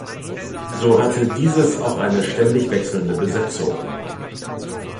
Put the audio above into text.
So hatte dieses auch eine ständig wechselnde Besetzung.